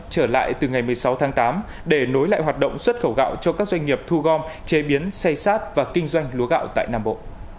trở lại từ ngày một mươi sáu tháng tám để nối lại hoạt động xuất khẩu gạo cho các doanh nghiệp thu gom chế biến xây sát và kinh doanh lúa gạo tại nam bộ